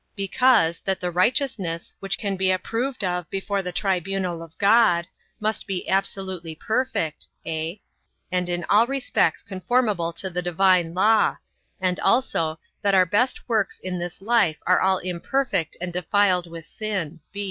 Because, that the righteousness, which can be approved of before the tribunal of God, must be absolutely perfect, (a) and in all respects conformable to the divine law; and also, that our best works in this life are all imperfect and defiled with sin.